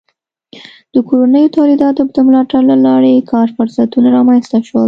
د کورنیو تولیداتو د ملاتړ له لارې کار فرصتونه رامنځته شول.